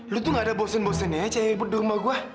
lu tuh gak ada bosen bosen nya aja yang ribet di rumah gue